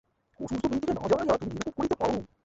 অসুস্থ ব্যক্তিকে না জানাইয়াও তুমি এরূপ করিতে পার।